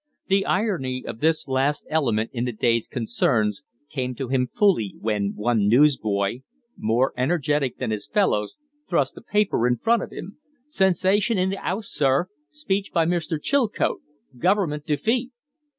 The irony of this last element in the day's concerns came to him fully when one newsboy, more energetic than his fellows, thrust a paper in front of him. "Sensation in the 'Ouse, sir! Speech by Mr. Chilcote! Government defeat!"